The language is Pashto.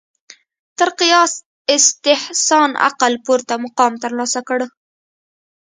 تر قیاس استحسان عقل پورته مقام ترلاسه کړ